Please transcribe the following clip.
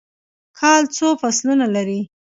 کال څو فصلونه لري؟